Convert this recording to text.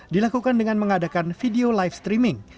dilakukan dengan mengadakan video live streaming